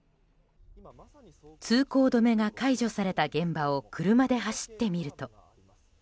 通行止めが解除された現場を車で走ってみると。